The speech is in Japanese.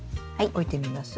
置いてみます？